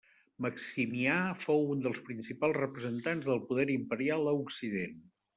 Maximià fou un dels principals representants del poder imperial a Occident.